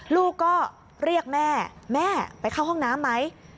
ลูกก็เรียกแม่แม่ไปเข้าห้องน้ำไหม